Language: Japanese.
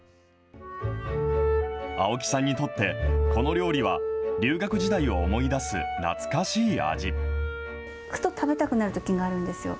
青木さんにとって、この料理は留学時代を思い出す懐かしい味。